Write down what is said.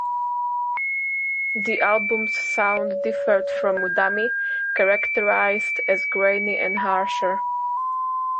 The album's sound differed from "Dummy", characterised as "grainy and harsher.